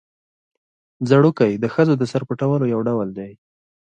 ځړوکی د ښځو د سر پټولو یو ډول دی